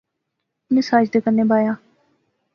اُنی ساجدے کنے بایا